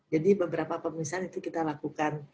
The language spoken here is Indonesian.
jadi beberapa pemeriksaan itu kita lakukan